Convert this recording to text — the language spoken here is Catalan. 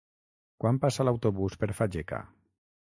Quan passa l'autobús per Fageca?